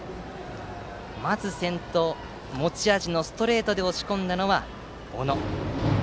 まず先頭を持ち味のストレートで押し込んだのは小野。